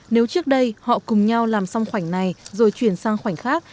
nếu trước đây họ cùng nhau làm xong khoảnh này rồi chuyển sang khoảnh khắc